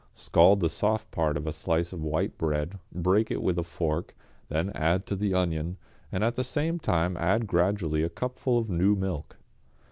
Scald the soft part of a slice of white bread, break it with a fork, then add to the onion, and at the same time add gradually a cupful of new milk.